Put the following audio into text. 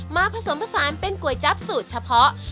ผสมผสานเป็นก๋วยจั๊บสูตรเฉพาะ